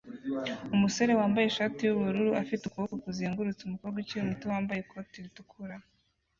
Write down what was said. Umusore wambaye ishati yubururu afite ukuboko kuzengurutse umukobwa ukiri muto wambaye ikoti ritukura